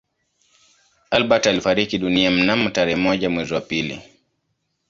Albert alifariki dunia mnamo tarehe moja mwezi wa pili